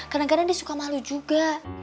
kadang kadang dia suka malu juga